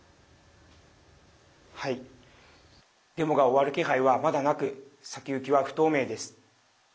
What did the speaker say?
デモが終わる気配は、まだなく先行きは不透明です。